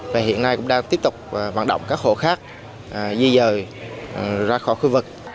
và hiện nay cũng đang tiếp tục vận động các hộ khác di dời ra khỏi khu vực